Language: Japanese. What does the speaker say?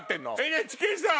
ＮＨＫさん。